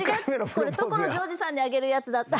これ所ジョージさんにあげるやつだった。